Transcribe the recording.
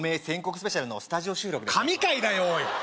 スペシャルのスタジオ収録ですね神回だよおい！